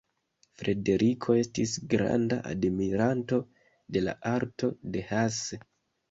Frederiko estis granda admiranto de la arto de Hasse.